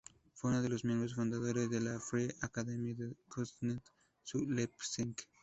Fue uno de los miembros fundadores de la "Freie Akademie der Künste zu Leipzig".